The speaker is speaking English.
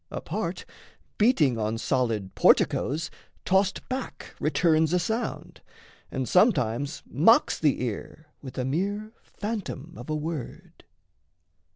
A part, Beating on solid porticoes, tossed back Returns a sound; and sometimes mocks the ear With a mere phantom of a word.